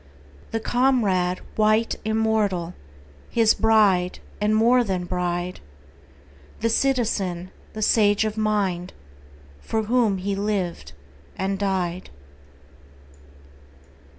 The comrade, white, immortal, His bride, and more than bride— The citizen, the sage of mind, For whom he lived and died.